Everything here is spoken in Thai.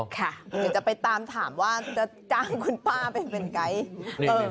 เดี๋ยวจะไปตามถามว่าจะจ้างคุณป้าไปเป็นไกด์